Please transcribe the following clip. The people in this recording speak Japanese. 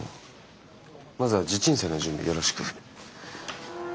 まずは地鎮祭の準備よろしく。